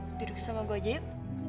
an duduk sama gue jim